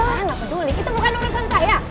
saya nggak peduli itu bukan urusan saya